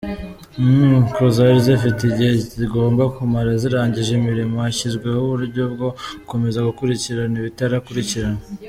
Inkiko zari zifite igihe zigomba kumara, zirangije imirimo hashyizweho uburyo bwo gukomeza gukurikirana ibitarakurikiranwe.